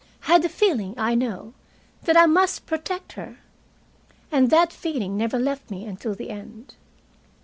I had the feeling, I know, that I must protect her. And that feeling never left me until the end.